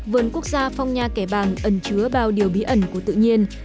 vườn quốc gia phong nha kẻ bàng ẩn chứa bao điều bí ẩn của tự nhiên